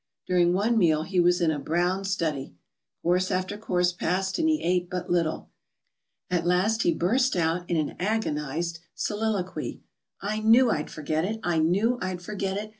During one meal he was in a brown study. Course after course passed and he ate but little. At last he burst out in an agonized soliloquy: "I knew I'd forget it! I knew I'd forget it!